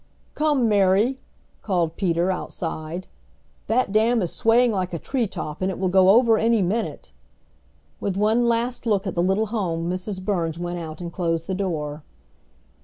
"Come, Mary!" called Peter, outside. "That dam is swaying like a tree top, and it will go over any minute." With one last look at the little home Mrs. Burns went out and closed the door.